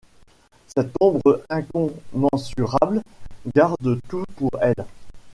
Cette ombre incommensurable garde tout pour elle.